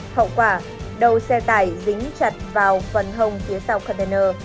hậu quả đầu xe tải dính chặt vào phần hông phía sau container